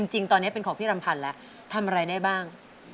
จริงตอนนี้เป็นของพี่รำพันธ์แล้วทำอะไรได้บ้าง